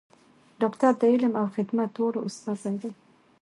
ډاکټران د علم او خدمت دواړو استازي دي.